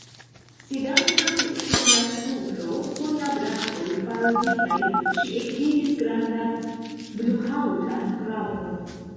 Sidantan sur la supro, kun la brakoj falditaj, ŝi ekvidis grandan bluhaŭtan raŭpon.